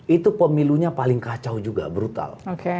itu pemilunya paling kacau juga brutal